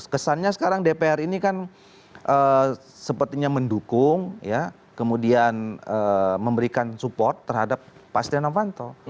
kesannya sekarang dpr ini kan sepertinya mendukung ya kemudian memberikan support terhadap pak setia novanto